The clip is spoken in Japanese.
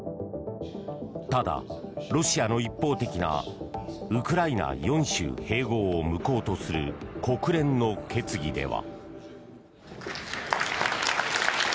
ただ、ロシアの一方的なウクライナ４州併合を無効とする国連の決議では。